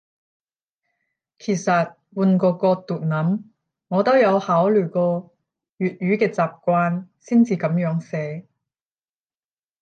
其實換個角度諗，我都有考慮過粵語嘅習慣先至噉樣寫